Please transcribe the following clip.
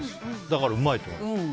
だから、うまいと思います。